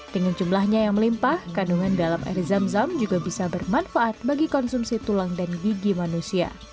dengan jumlahnya yang melimpah kandungan dalam air zam zam juga bisa bermanfaat bagi konsumsi tulang dan gigi manusia